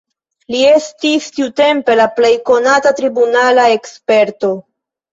Li estis tiutempe la plej konata tribunala eksperto.